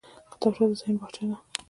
کتابچه د ذهن باغچه ده